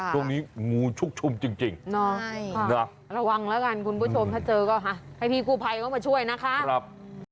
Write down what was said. ตรงนี้งูชุกชุมจริงนะระวังละกันคุณผู้ชมถ้าเจอก็ให้พี่กูภัยมาช่วยนะครับ